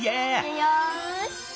よし！